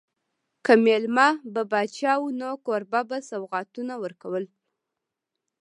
که مېلمه به پاچا و نو کوربه به سوغاتونه ورکول.